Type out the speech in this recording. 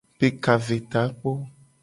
Pe ka ve takpo.